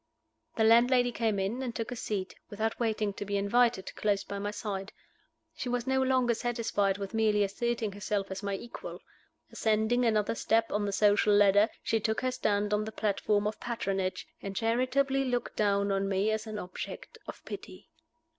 The landlady came in, and took a seat, without waiting to be invited, close by my side. She was no longer satisfied with merely asserting herself as my equal. Ascending another step on the social ladder, she took her stand on the platform of patronage, and charitably looked down on me as an object of pity.